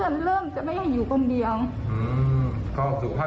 คือมันเริ่มจะไม่ไหวทุกครั้งจนแบบทั้งที่บ้านทั้งคนเพื่อน